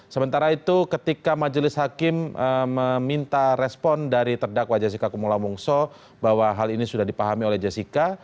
sementara itu ketika majelis hakim meminta respon dari terdakwa jessica kumula wongso bahwa hal ini sudah dipahami oleh jessica